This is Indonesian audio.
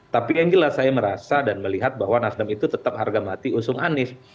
tapi yang jelas saya merasa dan melihat bahwa nasdem itu tetap harga mati usung anies